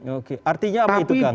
oke artinya apa itu kan